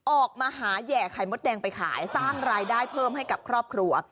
ออกมาหาแห่ไข่มดแดงไปขายสร้างรายได้เพิ่มให้กับครอบครัว